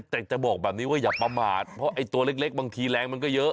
แต่จะบอกแบบนี้ว่าอย่าประมาทเพราะไอ้ตัวเล็กบางทีแรงมันก็เยอะ